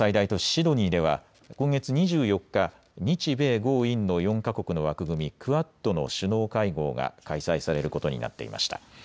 シドニーでは今月２４日、日米豪印の４か国の枠組み、クアッドの首脳会合が開催されることになっていました。